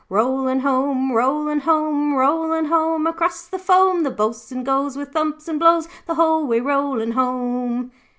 'Rollin' home, rollin' home, Rollin' home across the foam. The Bo'sun goes with thumps and blows The whole way rollin' home.'